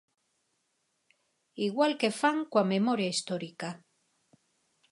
Igual que fan coa memoria histórica.